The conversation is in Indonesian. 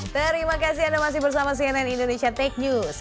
terima kasih anda masih bersama cnn indonesia tech news